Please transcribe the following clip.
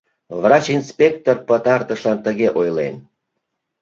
Врач-инспектор пытартышлан тыге ойлен: